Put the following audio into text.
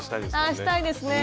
あしたいですね。